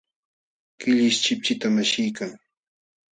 Killish chipchitam ashiykan.